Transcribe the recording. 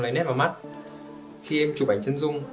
lấy nét vào mắt khi em chụp ảnh chân dung